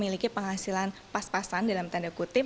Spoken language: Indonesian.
memiliki penghasilan pas pasan dalam tanda kutip